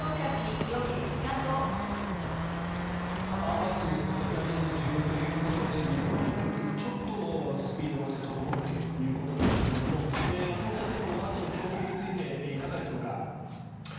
ワクチンですが世界的な需要ということで日本への供給もちょっとスピードが落ちて滞っているということですが松本先生このワクチンの供給についていかがでしょうか？